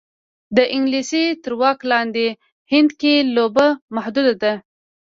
د انګلیس تر واک لاندې هند کې لوبه محدوده ده.